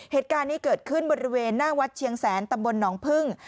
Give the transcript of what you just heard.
เหตุการณ์นี้เกิดขึ้นบริเวณหน้าวัดเชียงแสนตำบลหนองพึ่ง